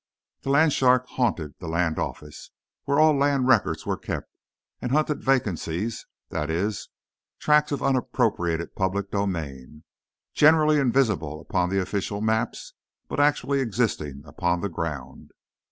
The land shark haunted the Land Office, where all the land records were kept, and hunted "vacancies"—that is, tracts of unappropriated public domain, generally invisible upon the official maps, but actually existing "upon the ground."